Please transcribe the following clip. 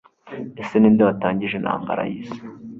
ese ninde watangije intambara yisi